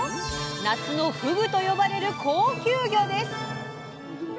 「夏のふぐ」と呼ばれる高級魚です！